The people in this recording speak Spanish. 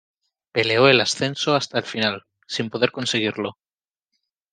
Peleó el ascenso hasta el final, sin poder conseguirlo.